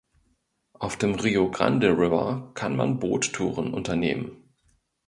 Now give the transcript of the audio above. Auf dem Rio Grande River kann man Boot-Touren unternehmen.